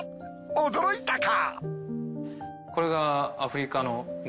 驚いたか。